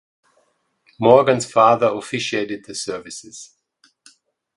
Morgan’s father officiated the services.